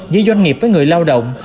giữa doanh nghiệp với người lao động